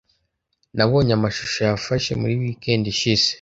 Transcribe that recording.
Nabonye amashusho yafashe muri weekend ishize.